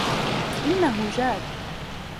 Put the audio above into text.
انه جاد.